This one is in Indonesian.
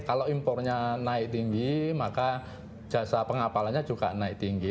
kalau impornya naik tinggi maka jasa pengapalannya juga naik tinggi